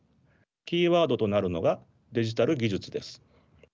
キーワードとなるのがデジタル技術です。